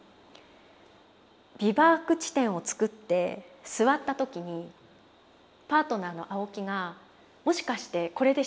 ビバーク地点を作って座った時にパートナーの青木が「もしかしてこれで死にませんよね」